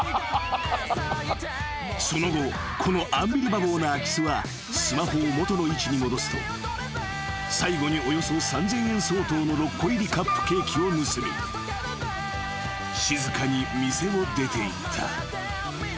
［その後このアンビリバボーな空き巣はスマホを元の位置に戻すと最後におよそ３，０００円相当の６個入りカップケーキを盗み静かに店を出ていった］